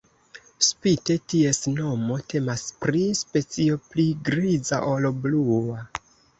Spite ties nomo, temas pri specio pli griza ol blua.